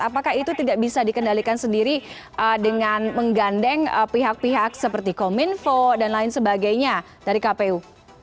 apakah itu tidak bisa dikendalikan sendiri dengan menggandeng pihak pihak seperti kominfo dan lain sebagainya dari kpu